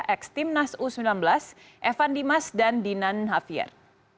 ex team nas u sembilan belas evan dimas dan dinan nhafiat